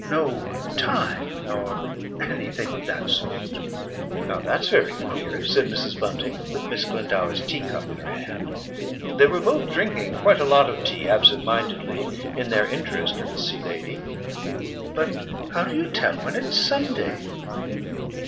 No time nor anything of that sort." "Now that's very queer," said Mrs. Bunting with Miss Glendower's teacup in her hand they were both drinking quite a lot of tea absent mindedly, in their interest in the Sea Lady. "But how do you tell when it's Sunday?"